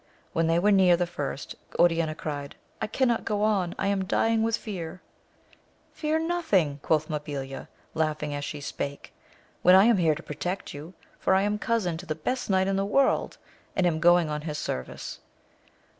When they were near the first, Oriana cried, I cannot go on, I am dying with fear ! Fear nothing ! quoth Mabilia, laughing as she spake, when I am here to protect you, for I am cousin to the best knight in the world, and am going on his service.